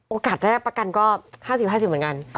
โอกาสแล้วประกันก็๕๐๕๐เหมือนกัน